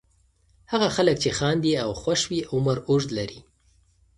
هغه خلک چې خاندي او خوښ وي عمر اوږد لري.